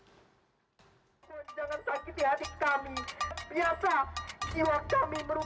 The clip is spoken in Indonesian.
jangan sakiti adik kami biasa jiwa kami berubah